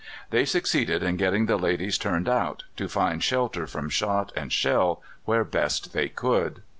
They succeeded in getting the ladies turned out, to find shelter from shot and shell where best they could!